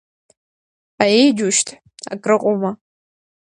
Аиеи џьушьҭ, акрыҟоума…